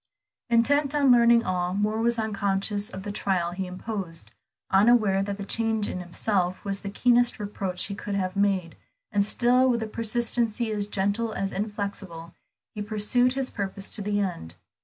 Intent on learning all, Moor was unconscious of the trial he imposed, unaware that the change in himself was the keenest reproach he could have made, and still with a persistency as gentle as inflexible, he pursued his purpose to the end.